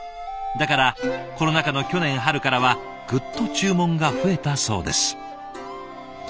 だからコロナ禍の去年春からはぐっと注文が増えたそうです。